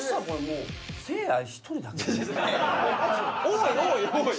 おいおいおい！